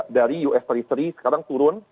dari us tiga puluh tiga sekarang turun